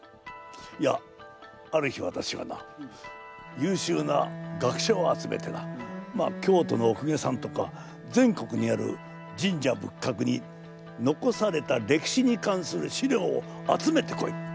いやある日わたしがなゆうしゅうな学者を集めてな京都のお公家さんとか全国にある神社仏閣に残された歴史に関する史料を集めてこいこう命令したんです。